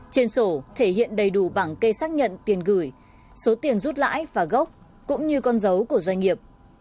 trên sổ thể hiện đầy đủ bảng kê xác nhận tiền gửi số tiền rút lãi và gốc cũng như con dấu của doanh nghiệp